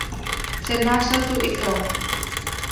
Přednášel tu i prof.